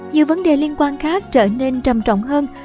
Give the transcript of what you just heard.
nhiều vấn đề liên quan khác trở nên trầm trọng hơn